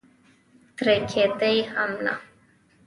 ترې کېده یې هم نه.